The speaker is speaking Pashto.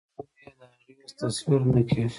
پر فهم یې د اغېز تصور نه کېږي.